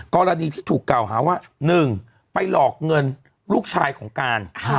กรณีที่ถูกกล่าวหาว่า๑ไปหลอกเงินลูกชายของการ